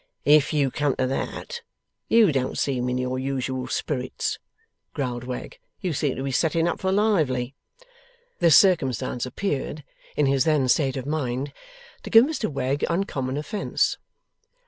'If you come to that, you don't seem in your usual spirits,' growled Wegg. 'You seem to be setting up for lively.' This circumstance appeared, in his then state of mind, to give Mr Wegg uncommon offence.